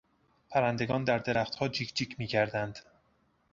پرندگان در درختها جیک جیک میکردند.